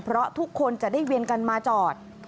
เพราะทุกคนจะได้เวียนกันมาจอด